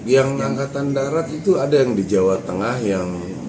yang angkatan darat itu ada yang di jawa tengah yang